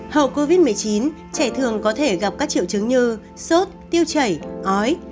hậu covid một mươi chín trẻ thường có thể gặp các triệu chứng như sốt tiêu chảy ói